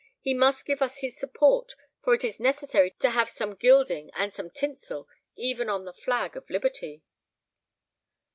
He must give us his support, for it is necessary to have some gilding and some tinsel even on the flag of liberty."